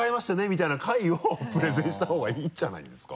みたいな回をプレゼンしたほうがいいんじゃないですか？